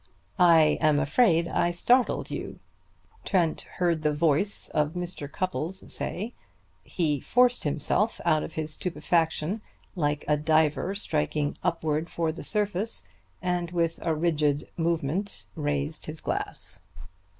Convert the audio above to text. "I am afraid I startled you," Trent heard the voice of Mr. Cupples say. He forced himself out of his stupefaction like a diver striking upward for the surface, and with a rigid movement raised his glass.